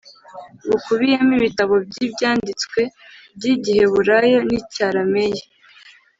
Bukubiyemo ibitabo byi Ibyanditswe by igiheburayo n icyarameyi